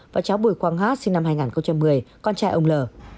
và cháu bùi quang hát sinh năm hai nghìn một mươi con trai ông lờ